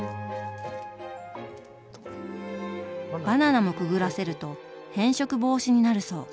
バナナもくぐらせると変色防止になるそう。